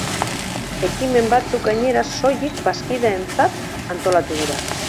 Ekimen batzuk gainera soilik bazkideentzat antolatu dira.